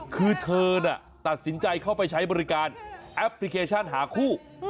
คือเธอน่ะตัดสินใจเข้าไปใช้บริการแอปพลิเคชันหาคู่